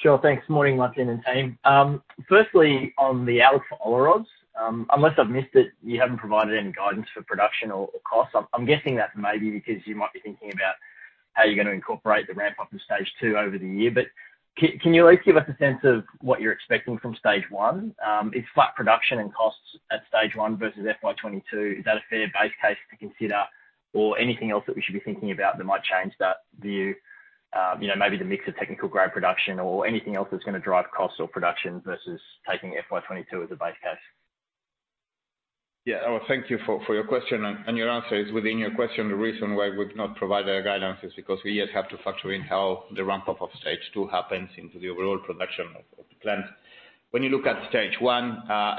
Sure. Thanks. Morning, Martín and team. Firstly, on the outlook for Olaroz, unless I've missed it, you haven't provided any guidance for production or cost. I'm guessing that's maybe because you might be thinking about How are you going to incorporate the ramp up of Stage 2 over the year. Can you at least give us a sense of what you're expecting from Stage 1? Is flat production and costs at Stage 1 versus FY 2022, is that a fair base case to consider? Anything else that we should be thinking about that might change that view? You know, maybe the mix of technical grade production or anything else that's going to drive costs or production versus taking FY 2022 as a base case. Yeah. Thank you for your question. Your answer is within your question. The reason why we've not provided a guidance is because we yet have to factor in how the ramp up of Stage 2 happens into the overall production of the plant. When you look at Stage 1, as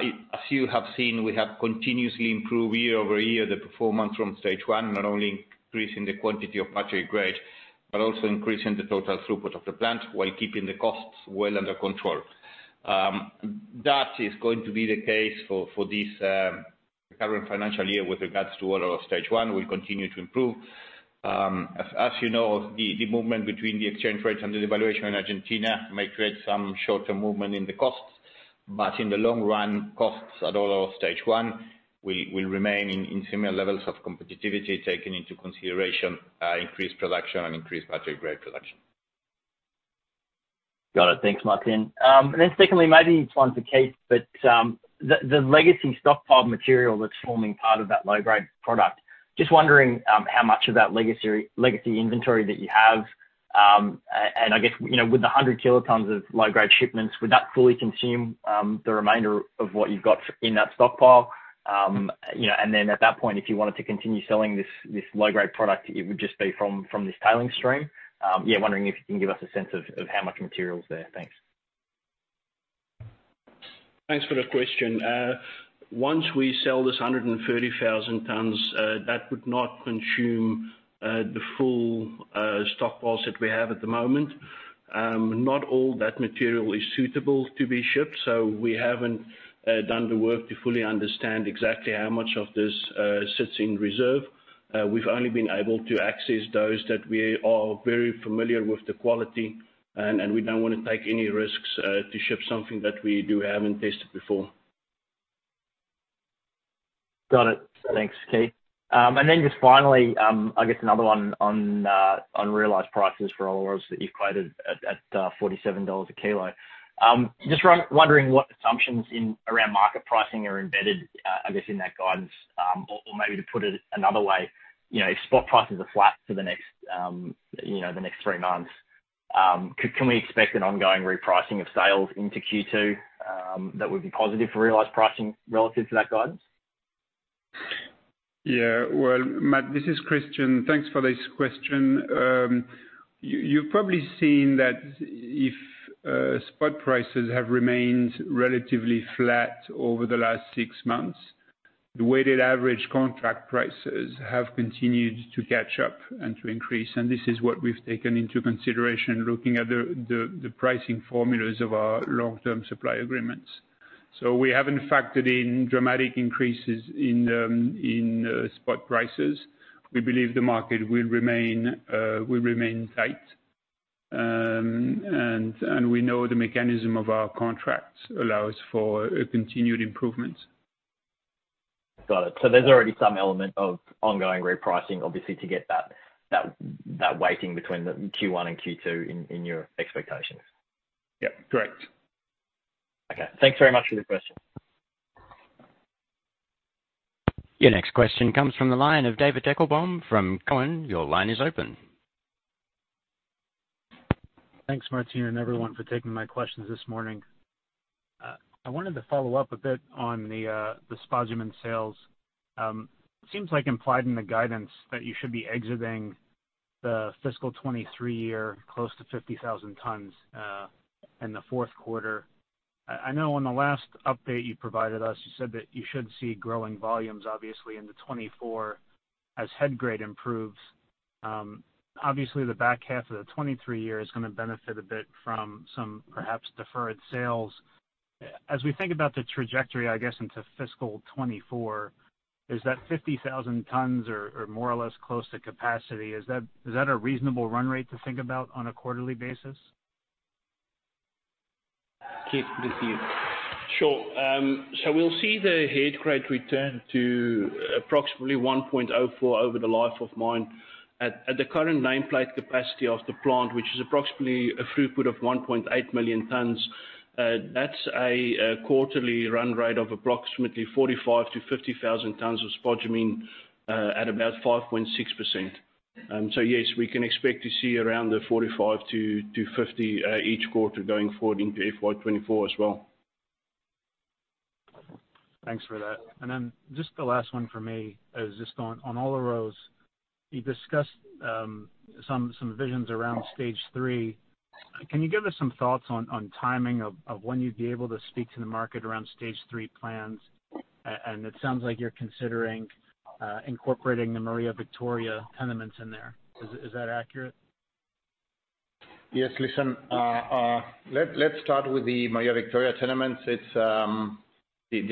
you have seen, we have continuously improved year-over-year the performance from Stage 1, not only increasing the quantity of battery grade, but also increasing the total throughput of the plant while keeping the costs well under control. That is going to be the case for this current financial year with regards to output of Stage 1, we continue to improve. As you know, the movement between the exchange rate and the devaluation in Argentina may create some short-term movement in the costs, but in the long run, costs at Olaroz Stage 1 will remain in similar levels of competitiveness, taking into consideration increased production and increased battery-grade production. Got it. Thanks, Martin. Secondly, maybe this one's for Keith, but the legacy stockpile material that's forming part of that low grade product, just wondering how much of that legacy inventory that you have, and I guess, you know, with the 100 kilotons of low grade shipments, would that fully consume the remainder of what you've got in that stockpile? You know, and then at that point, if you wanted to continue selling this low grade product, it would just be from this tailing stream. Yeah, wondering if you can give us a sense of how much material is there. Thanks. Thanks for the question. Once we sell this 130,000 tons, that would not consume the full stockpiles that we have at the moment. Not all that material is suitable to be shipped, so we haven't done the work to fully understand exactly how much of this sits in reserve. We've only been able to access those that we are very familiar with the quality and we don't wanna take any risks to ship something that we do haven't tested before. Got it. Thanks, Keith. Just finally, I guess another one on realized prices for Olaroz that you've quoted at $47 a kilo. Just wondering what assumptions in and around market pricing are embedded, I guess, in that guidance. Or maybe to put it another way, you know, if spot prices are flat for the next three months, can we expect an ongoing repricing of sales into Q2 that would be positive for realized pricing relative to that guidance? Yeah. Well, Matt, this is Christian. Thanks for this question. You've probably seen that if spot prices have remained relatively flat over the last six months, the weighted average contract prices have continued to catch up and to increase, and this is what we've taken into consideration looking at the pricing formulas of our long-term supply agreements. We haven't factored in dramatic increases in spot prices. We believe the market will remain tight. And we know the mechanism of our contracts allows for a continued improvement. Got it. There's already some element of ongoing repricing, obviously, to get that weighting between the Q1 and Q2 in your expectations? Yep, correct. Okay. Thanks very much for the question. Your next question comes from the line of David Deckelbaum from TD Cowen. Your line is open. Thanks, Martín, and everyone for taking my questions this morning. I wanted to follow up a bit on the spodumene sales. Seems like implied in the guidance that you should be exiting the fiscal 2023 year close to 50,000 tons in the fourth quarter. I know on the last update you provided us, you said that you should see growing volumes, obviously, into 2024 as head grade improves. Obviously the back half of the 2023 year is gonna benefit a bit from some perhaps deferred sales. As we think about the trajectory, I guess, into fiscal 2024, is that 50,000 tons or more or less close to capacity? Is that a reasonable run rate to think about on a quarterly basis? Keith, this is you. Sure. We'll see the head grade return to approximately 1.04 over the life of mine. At the current nameplate capacity of the plant, which is approximately a throughput of 1.8 million tons, that's a quarterly run rate of approximately 45,000-50,000 tons of spodumene at about 5.6%. Yes, we can expect to see around the 45-50 each quarter going forward into FY 2024 as well. Thanks for that. Just the last one for me is just on Olaroz. You discussed some visions around Stage 3. Can you give us some thoughts on timing of when you'd be able to speak to the market around Stage 3 plans? And it sounds like you're considering incorporating the Maria Victoria Tenements in there. Is that accurate? Yes. Listen, let's start with the Maria Victoria Tenements. It's the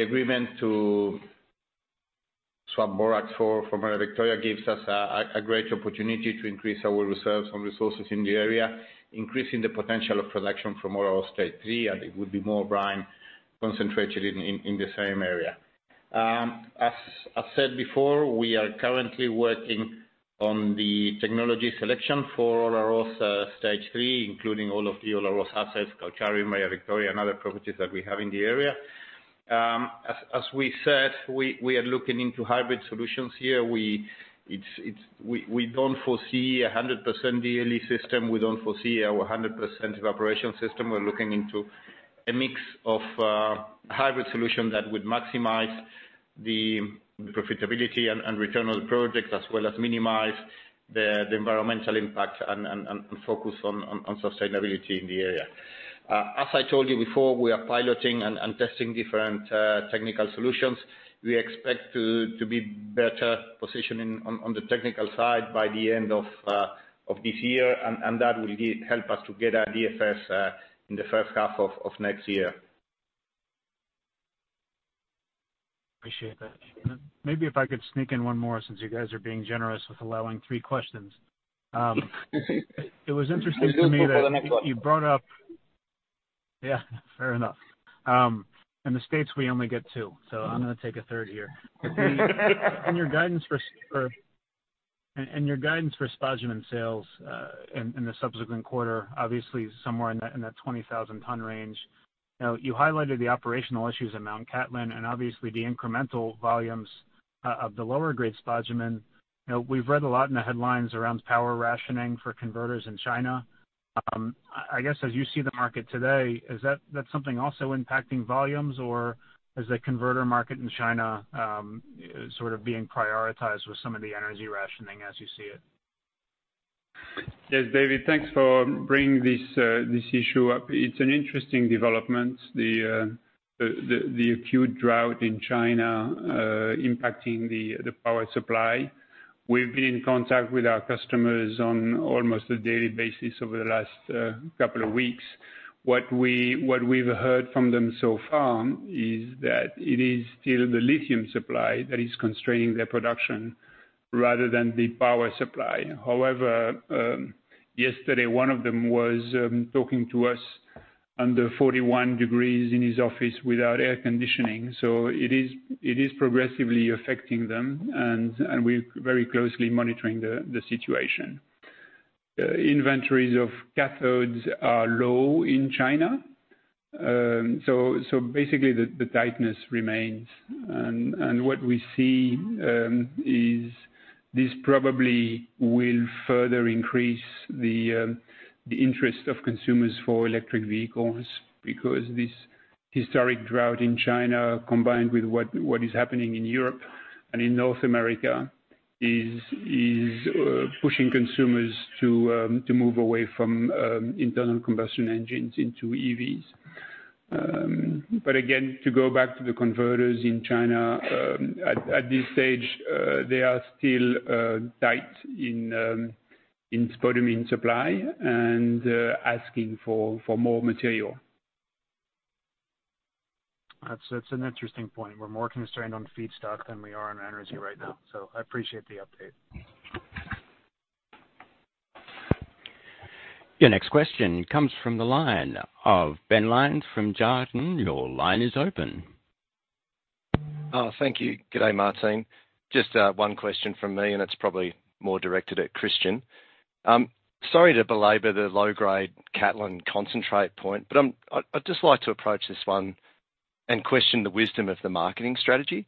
agreement to swap Borax for Maria Victoria gives us a great opportunity to increase our reserves and resources in the area, increasing the potential of production from Olaroz Stage 3, and it would be more brine concentrated in the same area. As said before, we are currently working on the technology selection for Olaroz Stage 3, including all of the Olaroz assets, Cauchari-Maria Victoria and other properties that we have in the area. As we said, we are looking into hybrid solutions here. We don't foresee 100% DLE system. We don't foresee 100% evaporation system. We're looking into a mix of hybrid solution that would maximize the profitability and return on the project, as well as minimize the environmental impact and focus on sustainability in the area. As I told you before, we are piloting and testing different technical solutions. We expect to be better positioned on the technical side by the end of this year, and that will help us to get our DFS in the first half of next year. Appreciate that. Maybe if I could sneak in one more, since you guys are being generous with allowing three questions. It was interesting to me that I'm good for the next one. You brought up. Yeah, fair enough. In the States, we only get two, so I'm gonna take a third here. In your guidance for spodumene sales, in the subsequent quarter, obviously somewhere in that 20,000-ton range, you know, you highlighted the operational issues at Mt Cattlin, and obviously the incremental volumes of the lower grade spodumene. You know, we've read a lot in the headlines around power rationing for converters in China. I guess as you see the market today, is that something also impacting volumes? Or is the converter market in China sort of being prioritized with some of the energy rationing as you see it? Yes, David. Thanks for bringing this issue up. It's an interesting development, the acute drought in China impacting the power supply. We've been in contact with our customers on almost a daily basis over the last couple of weeks. What we've heard from them so far is that it is still the lithium supply that is constraining their production rather than the power supply. However, yesterday, one of them was talking to us under 41 degrees in his office without air conditioning. It is progressively affecting them and we're very closely monitoring the situation. Inventories of cathodes are low in China. Basically, the tightness remains. What we see is this probably will further increase the interest of consumers for electric vehicles because this historic drought in China, combined with what is happening in Europe and in North America is pushing consumers to move away from internal combustion engines into EVs. Again, to go back to the converters in China, at this stage, they are still tight in spodumene supply and asking for more material. That's an interesting point. We're more constrained on feedstock than we are on energy right now. I appreciate the update. Your next question comes from the line of Ben Lyons from Jarden. Your line is open. Thank you. Good day, Martín. Just one question from me, and it's probably more directed at Christian. Sorry to belabor the low-grade Mt Cattlin concentrate point, but I'd just like to approach this one and question the wisdom of the marketing strategy.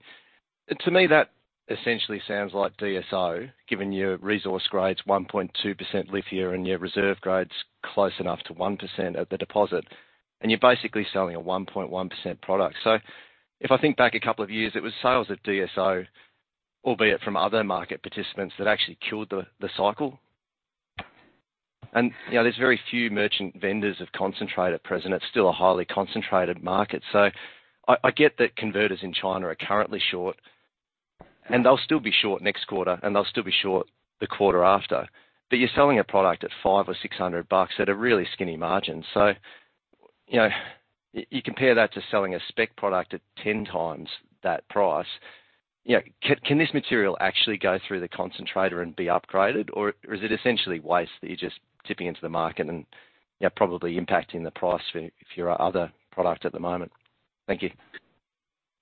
To me, that essentially sounds like DSO, given your resource grade's 1.2% lithium and your reserve grade's close enough to 1% of the deposit, and you're basically selling a 1.1% product. If I think back a couple of years, it was sales at DSO, albeit from other market participants, that actually killed the cycle. You know, there's very few merchant vendors of concentrate at present. It's still a highly concentrated market. I get that converters in China are currently short, and they'll still be short next quarter, and they'll still be short the quarter after. You're selling a product at $500-$600 at a really skinny margin. You know, you compare that to selling a spec product at ten times that price. You know, can this material actually go through the concentrator and be upgraded? Or is it essentially waste that you're just tipping into the market and, you know, probably impacting the price for your other product at the moment? Thank you.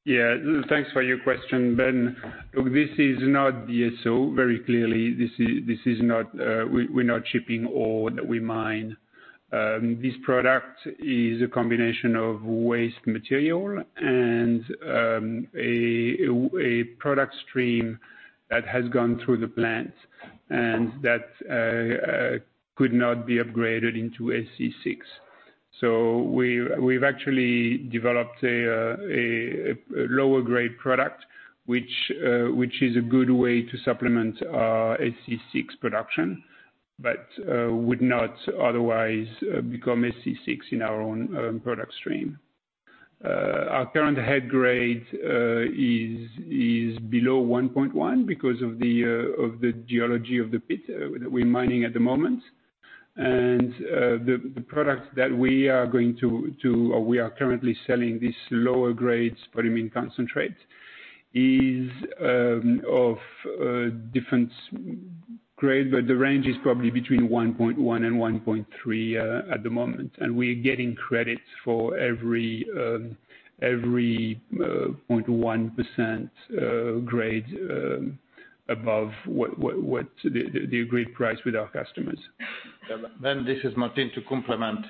Yeah. Thanks for your question, Ben. Look, this is not DSO. Very clearly, this is not. We're not shipping ore that we mine. This product is a combination of waste material and a product stream that has gone through the plant and that could not be upgraded into SC6. We've actually developed a lower grade product, which is a good way to supplement our SC6 production, but would not otherwise become SC6 in our own product stream. Our current head grade is below 1.1 because of the geology of the pit that we're mining at the moment. The product that we are currently selling, this lower grade spodumene concentrate is of different grade. The range is probably between 1.1 and 1.3 at the moment, and we're getting credits for every 0.1% grade above what the agreed price with our customers. This is Martin. To complement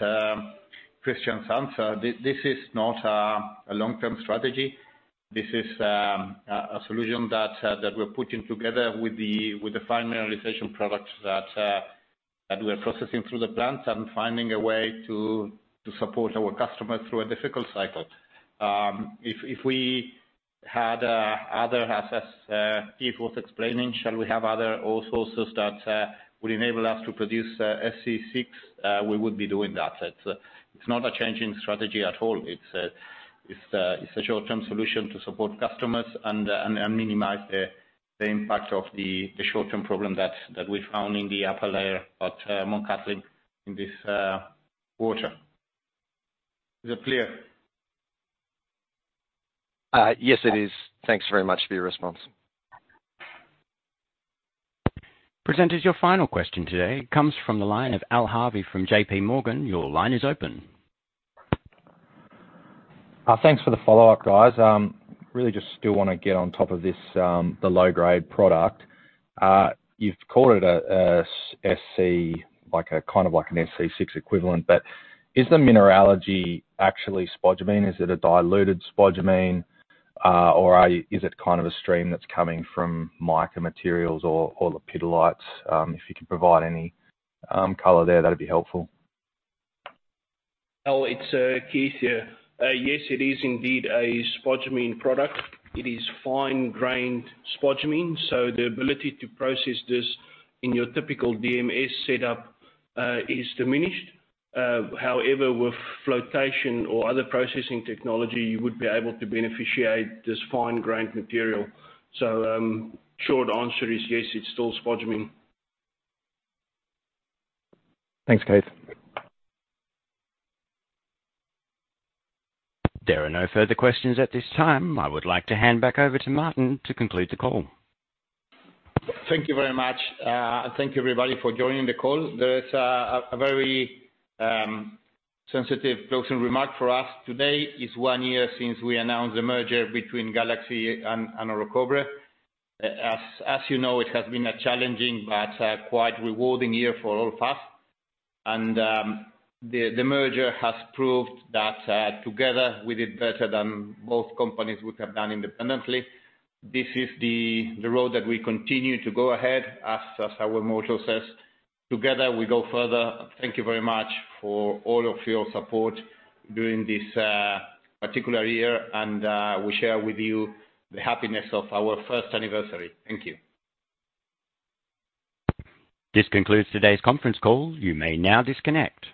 Christian's answer, this is not a long-term strategy. This is a solution that we're putting together with the finalization products that we're processing through the plants and finding a way to support our customers through a difficult cycle. If we had other assets, Keith was explaining, say we have other ore sources that would enable us to produce SC6, we would be doing that. It's not a change in strategy at all. It's a short-term solution to support customers and minimize the impact of the short-term problem that we found in the upper layer at Mt Cattlin in this quarter. Is that clear? Yes, it is. Thanks very much for your response. Presenter, your final question today comes from the line of Al Harvey from JPMorgan. Your line is open. Thanks for the follow-up, guys. Really just still wanna get on top of this, the low-grade product. You've called it a SC, like a kind of SC6 equivalent, but is the mineralogy actually spodumene? Is it a diluted spodumene, or is it kind of a stream that's coming from mica materials or lepidolite? If you could provide any color there, that'd be helpful. Al, it's Keith here. Yes, it is indeed a spodumene product. It is fine-grained spodumene, so the ability to process this in your typical DMS setup is diminished. However, with flotation or other processing technology, you would be able to beneficiate this fine-grained material. Short answer is yes, it's still spodumene. Thanks, Keith. There are no further questions at this time. I would like to hand back over to Martín to conclude the call. Thank you very much. Thank you, everybody, for joining the call. There is a very sensitive closing remark for us. Today is one year since we announced the merger between Galaxy and Orocobre. As you know, it has been a challenging but quite rewarding year for all of us. The merger has proved that together we did better than both companies would have done independently. This is the road that we continue to go ahead, as our motto says, "Together we go further." Thank you very much for all of your support during this particular year, and we share with you the happiness of our first anniversary. Thank you. This concludes today's conference call. You may now disconnect.